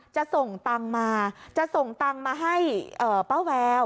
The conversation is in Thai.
จะส่งตังค์มาจะส่งตังค์มาให้ป้าแวว